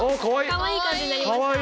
かわいい感じになりました。